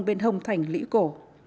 bên hồng thành lĩ cổ